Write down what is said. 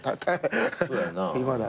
そうやな。